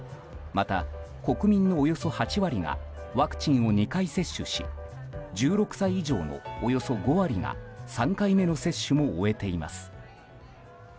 また、国民のおよそ８割がワクチンを２回接種し１６歳以上のおよそ５割が３回目の接種を終えています。